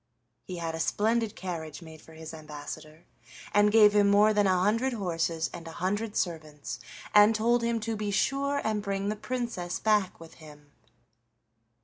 He had a splendid carriage made for his ambassador, and gave him more than a hundred horses and a hundred servants, and told him to be sure and bring the Princess back with him.